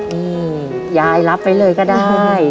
นี่ยายรับไว้เลยก็ได้